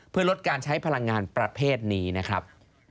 เพื่อลดการใช้พลังงานประเภทนี้นะครับ